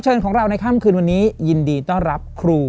สวัสดีครับคุณครู